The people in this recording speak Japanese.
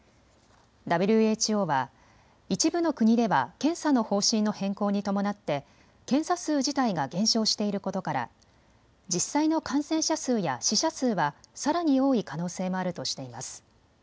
ＷＨＯは一部の国では検査の方針の変更に伴って検査数自体が減少していることから実際の感染者数や死者数はさらに多い可能性もあるとしています。